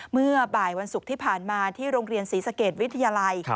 เมื่อบ่ายวันศุกร์ที่ผ่านมาที่โรงเรียนศรีสเกตวิทยาลัย